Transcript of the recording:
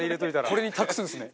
これに託すんですね。